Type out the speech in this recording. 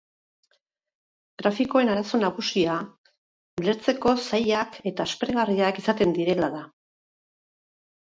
Grafikoen arazo nagusia ulertzeko zailak eta aspergarriak izaten direla da.